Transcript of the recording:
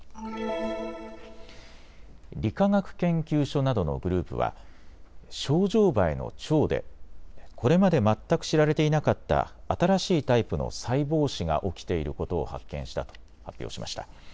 理化学研究所などのグループはショウジョウバエの腸でこれまで全く知られていなかった新しいタイプの細胞死が起きていることを発見したと発表しました。